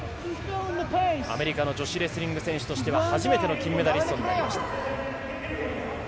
アメリカの女子レスリングとしては初めての金メダリストになりました。